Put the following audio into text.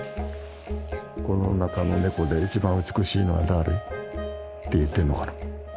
この中のネコで一番美しいのは誰？って言ってんのかな？